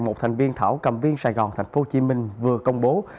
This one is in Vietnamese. một thành viên thảo cầm viên sài gòn tp hcm vừa công bố